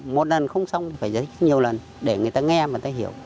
một lần không xong thì phải giải thích nhiều lần để người ta nghe và người ta hiểu